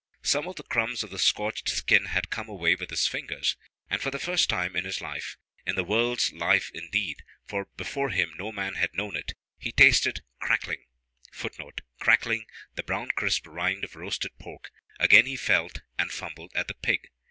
Some of the crumbs of the scorched skin had come away with his fingers, and for the first time in his life (in the world's life indeed, for before him no man had known it) he tasted crackling! [Footnote: Crackling: the brown crisp rind of roasted pork.] Again he felt and fumbled at the pig.